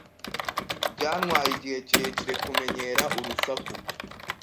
Byantwaye igihe kirekire kumenyera urusaku.